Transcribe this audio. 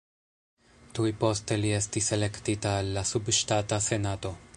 Tuj poste li estis elektita al la subŝtata senato.